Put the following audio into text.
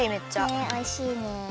ねえおいしいね。